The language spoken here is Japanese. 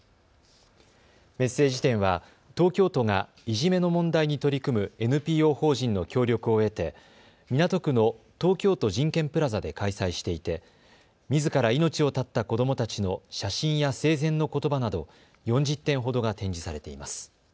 メッセージ展は東京都がいじめの問題に取り組むＮＰＯ法人の協力を得て港区の東京都人権プラザで開催していてみずから命を絶った子どもたちの写真や生前のことばなど４０点ほどが展示されています。